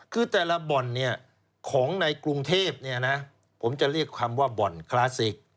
คือแต่ละบ่อนของในกรุงเทพผมจะเรียกคำว่าบ่อนคลาสสิก